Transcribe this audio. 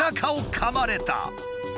かまれた！